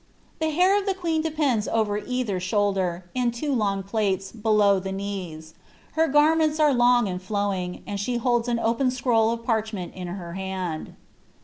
The hair of the queen depends over either shoulder, in two long plaits, below the knees. Her garments are long and flowing, and she holds an open scroll of parchment in her hand.